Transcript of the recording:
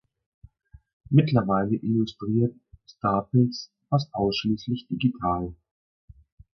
Mittlerweile illustriert Staples fast ausschließlich digital.